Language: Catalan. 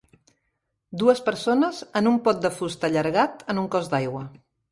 Dues persones en un pot de fusta allargat en un cos d'aigua.